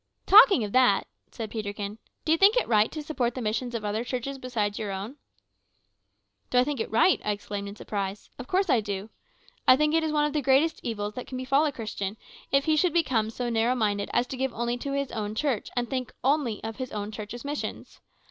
"Talking of that," said Peterkin, "do you think it right to support the missions of other churches besides your own?" "Do I think it right?" I exclaimed in surprise. "Of course I do. I think it one of the greatest evils that can befall a Christian, that he should become so narrow minded as to give only to his own church, and think only of his own church's missions.